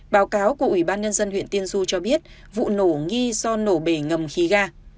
báo cáo của ủy ban nhân dân huyện tiên du cho biết vụ nổ nghi do nổ bể ngầm khí ga